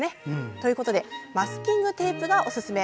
ということでマスキングテープがおすすめ。